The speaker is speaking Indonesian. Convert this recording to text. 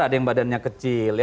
ada yang badannya kecil